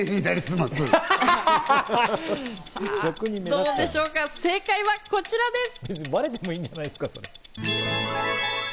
どうでしょうか、正解はこちらです！